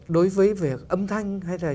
đối với việc âm thanh hay là